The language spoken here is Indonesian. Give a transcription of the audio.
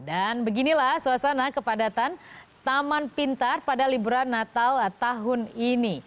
dan beginilah suasana kepadatan taman pintar pada liburan natal tahun ini